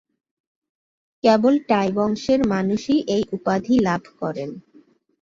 কেবল টাই বংশের মানুষই এই উপাধি লাভ করেন।